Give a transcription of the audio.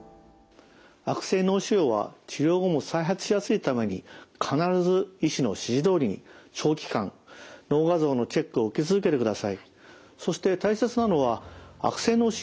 悪性脳腫瘍は治療後も再発しやすいために必ず医師の指示どおりに長期間脳画像のチェックを受け続けてください。